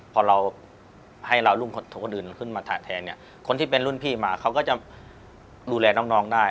พอเราให้เรารุ่นอื่นขึ้นมาถ่ายแทนเนี่ยคนที่เป็นรุ่นพี่มาเขาก็จะดูแลน้องได้